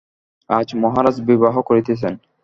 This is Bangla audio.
আজ মহারাজ বিবাহ করিতেছেন।